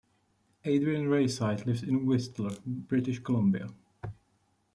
Adrian Raeside lives in Whistler, British Columbia.